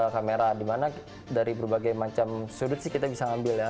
kamera dimana dari berbagai macam sudut sih kita bisa ngambil ya